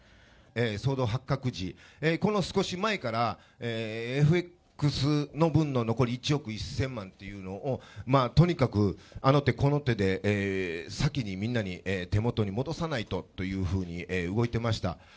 騒動発覚時、この少し前から、ＦＸの分の残り１億１０００万というのを、とにかくあの手この手で先にみんなに、手元に戻さないとというふうに動いてました。